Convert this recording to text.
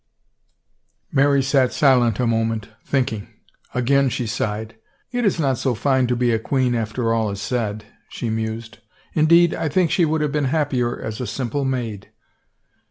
Mary sat silent a moment, thinking. Again she sighed. " It is not so fine to be a queen after all is 290 THE WRITING ON THE WALL said," she mused. " Indeed, I think she would have been happier as a simple maid."